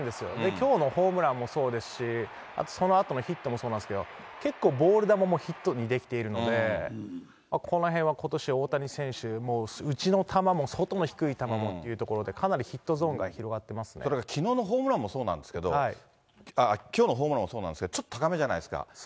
きょうのホームランもそうですし、あと、そのあとのヒットもそうなんですけど、結構、ボール球もヒットにできているので、このへんはことし、大谷選手、もう内の球も外の低い球もというところで、かなりヒットゾーンがそれからきのうのホームランもそうなんですけど、きょうのホームランもそうなんですけど、ちょっと高めじゃないですか。